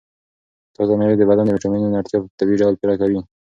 تازه مېوې د بدن د ویټامینونو اړتیا په طبیعي ډول پوره کوي.